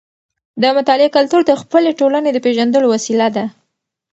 د مطالعې کلتور د خپلې ټولنې د پیژندلو وسیله ده.